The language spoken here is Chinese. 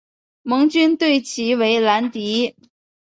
盟军对其为兰迪。